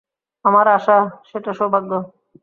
আমার আশা সেটা সৌভাগ্য।